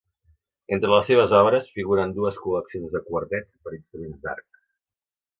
Entre les seves obres figuren dues col·leccions de quartets per a instruments d'arc.